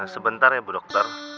sebentar ya bu dokter